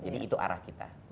jadi itu arah kita